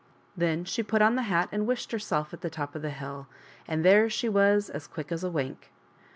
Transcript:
Then she put on the hat and wished herself at the top of the hill, and there she was as quick as a wink.